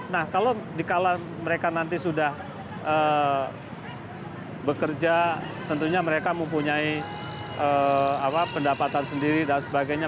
nah kalau mereka nanti sudah bekerja tentunya mereka mempunyai pendapatan sendiri dan sebagainya